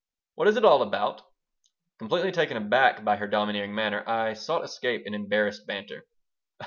"What is it all about?" Completely taken aback by her domineering manner, I sought escape in embarrassed banter.